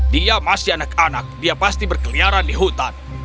dia masih anak anak dia pasti berkeliaran di hutan